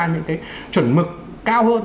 những cái chuẩn mực cao hơn